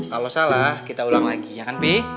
kalau salah kita ulang lagi ya kan pi